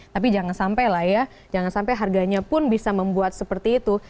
tapi jangan sampai lah ya jangan sampai harganya pun bisa membuat seperti itu